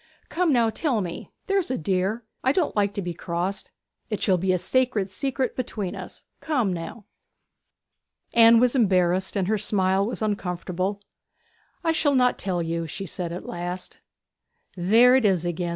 'Now, come, tell me, there's a dear. I don't like to be crossed. It shall be a sacred secret between us. Come, now!' Anne was embarrassed, and her smile was uncomfortable. 'I shall not tell you,' she said at last. 'There it is again!'